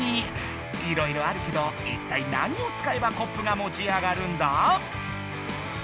いろいろあるけどいったい何をつかえばコップがもち上がるんだ？